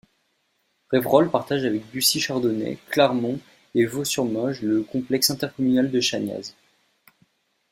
Reverolle partage avec Bussy-Chardonney, Clarmont et Vaux-sur-Morges le complexe intercommunal de Chaniaz.